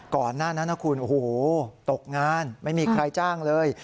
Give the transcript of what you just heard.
ก่อนหน้านั้นนะคุณโอ้โหตกงานไม่มีใครจ้างเลย